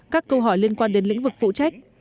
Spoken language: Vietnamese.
các câu hỏi liên quan đến lĩnh vực phụ trách